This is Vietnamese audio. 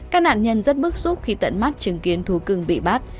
các nạn nhân rất bức xúc khi tận mắt chứng kiến thú cưng bị bắt